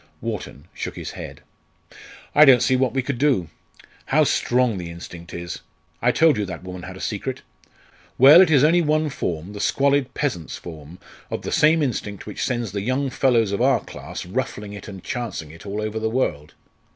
Wharton shook his head. "I don't see what we could do. How strong the instinct is! I told you that woman had a secret. Well, it is only one form the squalid peasant's form of the same instinct which sends the young fellows of our class ruffling it and chancing it all over the world.